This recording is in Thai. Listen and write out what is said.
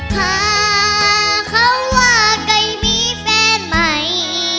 ค่าเขาว่าใกล้มีแฟนใหม่